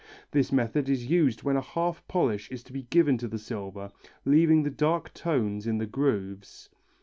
This method is used when a half polish is to be given to the silver, leaving the dark tones in the grooves.